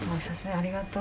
ありがとう。